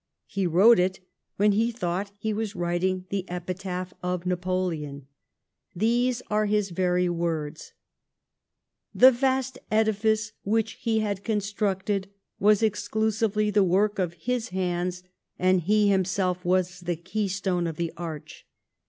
He wrote it when he thought he was writing the epitaph of Napoleon. These are his own words :" The vast edifice which he had constructed was exclusively the work of his hands, and he himself was the keystone of the arch.